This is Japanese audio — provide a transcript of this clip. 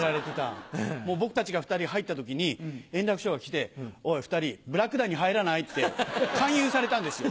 もう僕たちが２人入ったときに、円楽師匠が来て、おい、２人、ブラック団に入らない？って勧誘されたんですよ。